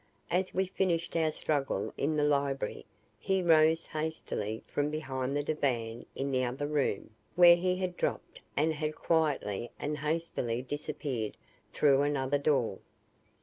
As we finished our struggle in the library, he rose hastily from behind the divan in the other room where he had dropped and had quietly and hastily disappeared through another door.